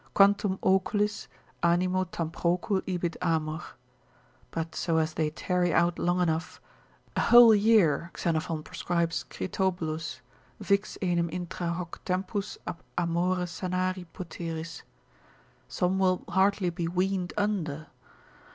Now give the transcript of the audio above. Quantum oculis, animo tam procul ibit amor. But so as they tarry out long enough: a whole year Xenophon prescribes Critobulus, vix enim intra hoc tempus ab amore sanari poteris: some will hardly be weaned under.